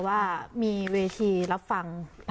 ว่ามีเวทีรับฟัง